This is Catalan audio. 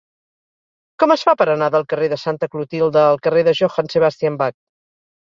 Com es fa per anar del carrer de Santa Clotilde al carrer de Johann Sebastian Bach?